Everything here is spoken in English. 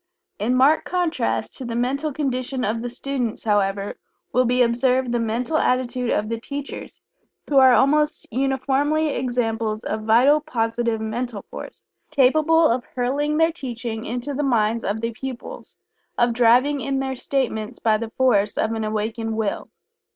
In marked contrast to the mental condition of the students, however, will be observed the mental attitude of the teachers, who are almost uniformly examples of vital, positive, mental force, capable of hurling their teaching into the minds of the pupils of driving in their statements by the force of an awakened Will.